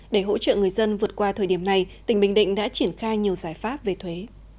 để hỗ trợ người dân vượt qua thời điểm này tỉnh bình định đã triển khai nhiều giải pháp về thuế